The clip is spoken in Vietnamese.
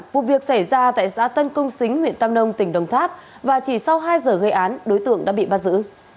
vụ việc xảy ra tại xã tân công xính huyện tam nông tỉnh đồng tháp và chỉ sau hai giờ gây án đối tượng đã bị bắt giữ